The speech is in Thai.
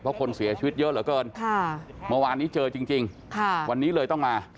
เพราะคนเสียชีวิตเยอะเหลือเกินเมื่อวานนี้เจอจริงวันนี้เลยต้องมา